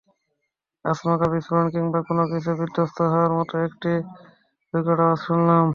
আচমকা বিস্ফোরণ কিংবা কোনো কিছু বিধ্বস্ত হওয়ার মতো একটা বিকট আওয়াজ শুনলাম।